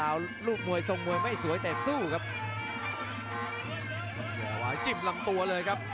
โอ้โหโดนตูมเดียวเลยครับ